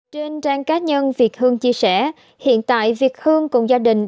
toàn cá nhân việt hương chia sẻ hiện tại việt hương cùng gia đình